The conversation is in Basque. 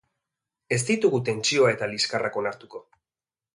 Ez ditugu tentsioa eta liskarrak onartuko.